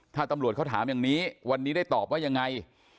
ถ้าตำรวจเขาถามอย่างนี้วันนี้ได้ตอบว่ายังไง